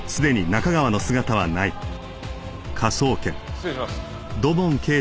失礼します。